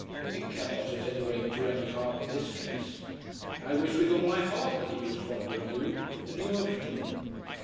"It cannot at any rate do any harm in this case. I wish with all my heart that he was fond of you and you of him."